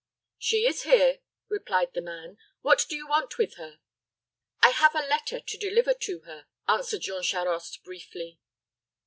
"She is here," replied the man. "What do you want with her?" "I have a letter to deliver to her," answered lean Charost, briefly.